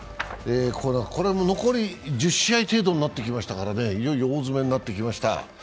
これも残り１０試合程度になってきましたから、いよいよ大詰めになってきました。